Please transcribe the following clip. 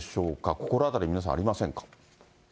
心当たり皆さんありませんか。